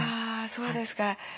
あそうですか。